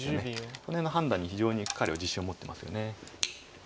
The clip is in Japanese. この辺の判断に非常に彼は自信を持ってますよね。